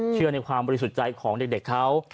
เชื่อในความบริสุทธิ์ใจของเด็กเขา